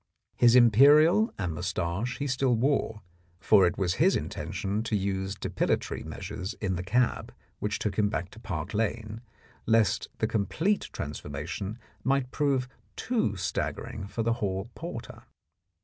His imperial and moustache he still wore, for it was his intention to use depilatory measures in the cab which took him back to Park Lane lest the complete transformation might prove too staggering for the hall porter.